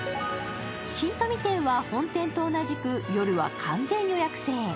新富店は本店と同じく夜は完全予約制。